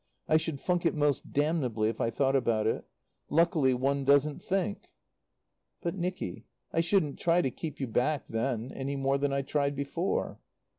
I should funk it most damnably, if I thought about it. Luckily one doesn't think." "But, Nicky, I shouldn't try to keep you back then any more than I tried before."